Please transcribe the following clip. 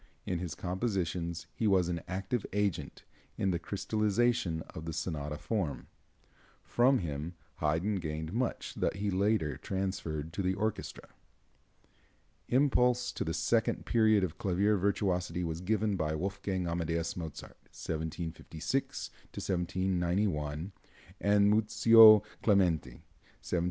In his compositions he was an active agent in the crystallization of the sonata form. From him Haydn gained much that he later transferred to the orchestra. Impulse to the second period of clavier virtuosity was given by Wolfgang Amadeus Mozart (1756 1791) and Muzio Clementi (1752 1832).